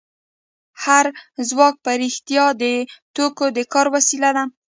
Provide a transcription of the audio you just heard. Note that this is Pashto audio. هو ځواک په رښتیا د توکو د کار وسیله ده